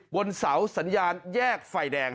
บนเสาสัญญาณแยกไฟแดง